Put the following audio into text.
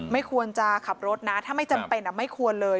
ไม่ควรจะขับรถนะถ้าไม่จำเป็นไม่ควรเลย